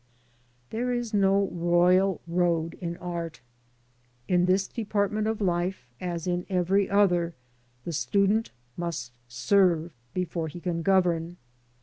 There is no royal road in art. In this department of life, as in every other, the student must serve before he can govern.